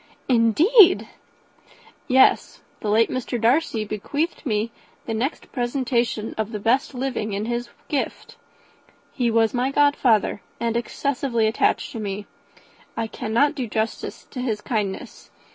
"Indeed!" "Yes the late Mr. Darcy bequeathed me the next presentation of the best living in his gift. He was my godfather, and excessively attached to me. I cannot do justice to his kindness.